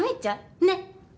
ねっ。